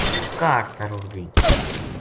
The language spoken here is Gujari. کاہڈ تا رُڑ گئی